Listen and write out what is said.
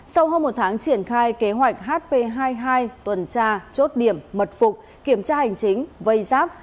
sau hơn một tháng triển khai kế hoạch hp hai mươi hai tuần tra chốt điểm mật phục kiểm tra hành chính vây giáp